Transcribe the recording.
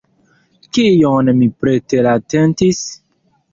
Kion mi preteratentis?